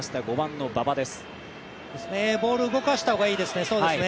ボールを動かした方がいいですね。